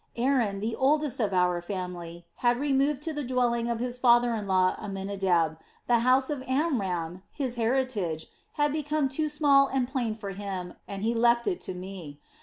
Aaron, the oldest of our family, had removed to the dwelling of his father in law Amminadab: the house of Amram, his heritage, had become too small and plain for him and he left it to me.